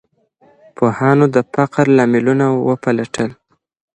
پوهانو د فقر لاملونه وپلټل.